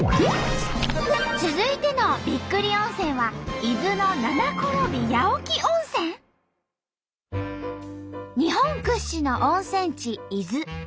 続いてのびっくり温泉は日本屈指の温泉地伊豆。